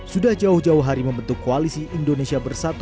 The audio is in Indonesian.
sudah jauh jauh hari membentuk koalisi indonesia bersatu